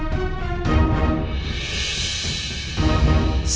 bella kamu masuk mobil